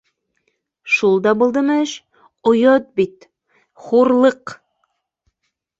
Шул да булдымы эш? Оят бит, хур- Лыҡ